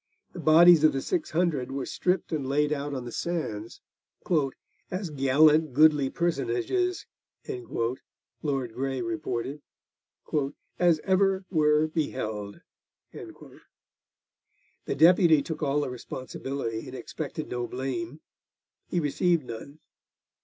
The bodies of the six hundred were stripped and laid out on the sands 'as gallant goodly personages,' Lord Grey reported, 'as ever were beheld.' The Deputy took all the responsibility and expected no blame; he received none.